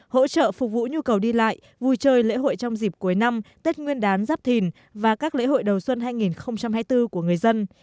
hỗ trợ phục vụ nhu cầu đi lại vui chơi lễ hội trong dịp cuối năm tết nguyên đán giáp thìn và các lễ hội đầu xuân hai nghìn hai mươi bốn của người dân